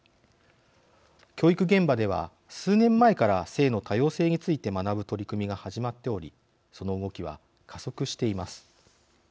教育現場では数年前から性の多様性について学ぶ取り組みが始まっておりその動きは加速しています。